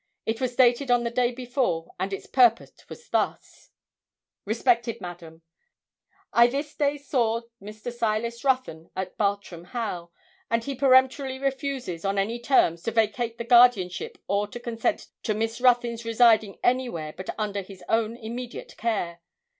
It was dated on the day before, and its purport was thus: 'RESPECTED MADAM, I this day saw Mr. Silas Ruthyn at Bartram Haugh, and he peremptorily refuses, on any terms, to vacate the guardianship, or to consent to Miss Ruthyn's residing anywhere but under his own immediate care.